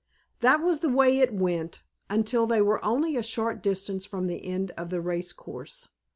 That was the way it went, until they were only a short distance from the end of the race course.